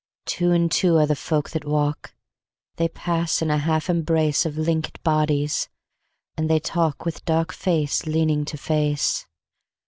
Two and two are the folk that walk, They pass in a half embraceOf linkèd bodies, and they talkWith dark face leaning to face.